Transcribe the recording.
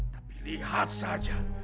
tapi lihat saja